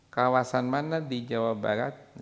kawasan mana di jawa barat